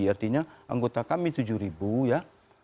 artinya anggota kami tujuh ribu ya